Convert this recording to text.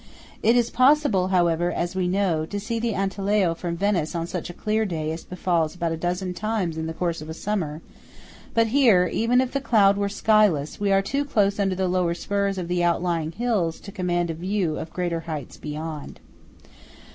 It is possible, however, as we know, to see the Antelao from Venice on such a clear day as befalls about a dozen times in the course of a summer; but here, even if the sky were cloudless, we are too close under the lower spurs of the outlying hills to command a view of greater heights beyond.